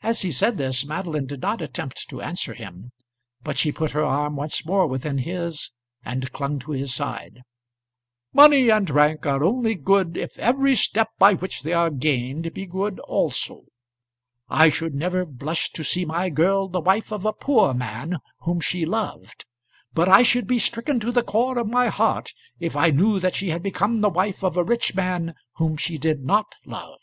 As he said this, Madeline did not attempt to answer him, but she put her arm once more within his, and clung to his side. "Money and rank are only good, if every step by which they are gained be good also. I should never blush to see my girl the wife of a poor man whom she loved; but I should be stricken to the core of my heart if I knew that she had become the wife of a rich man whom she did not love."